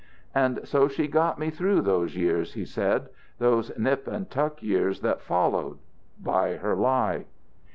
"And so she got me through those years," he said. "Those nip and tuck years that followed. By her lie.